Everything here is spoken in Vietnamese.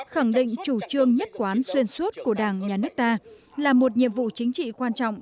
khẳng định chủ trương nhất quán xuyên suốt của đảng nhà nước ta là một nhiệm vụ chính trị quan trọng